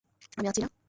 আমি আছি না।